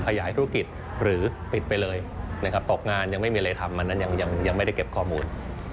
ขยายธุรกิจหรือปิดไปเลยนะครับตกงานยังไม่มีอะไรทำอันนั้นยังไม่ได้เก็บข้อมูล